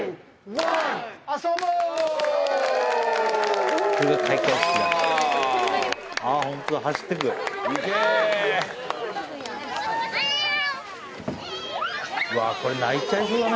わぁこれ泣いちゃいそうだね。